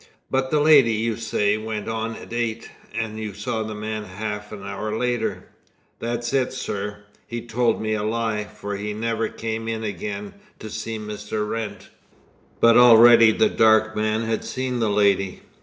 "But the lady, you say, went at eight, and you saw the man half an hour later?" "That's it, sir. He told me a lie, for he never came in again to see Mr. Wrent." "But already the dark man had seen the lady?"